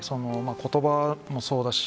言葉もそうだし